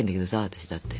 私だって。